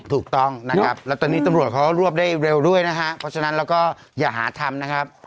ถูกต้องนะครับแล้วตอนนี้ตำรวจเขารวบได้เร็วด้วยนะฮะเพราะฉะนั้นเราก็อย่าหาทำนะครับ